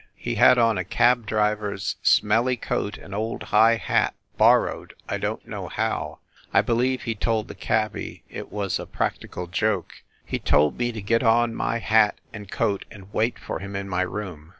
He had on a cab driver s smelly coat and old high hat, borrowed, I don t know how I believe he told the cabby it was a prac tical joke. ... He told me to get on my hat and coat and wait for him in my room.